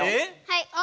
はい。